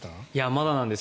まだなんです。